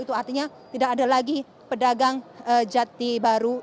itu artinya tidak ada lagi pedagang jati baru